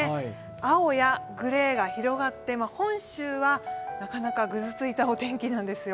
青やグレーが広がって本州はなかなかぐずついたお天気なんですよ。